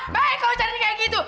baik kalau caranya kayak gitu